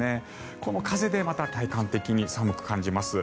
この風でまた体感的に寒く感じます。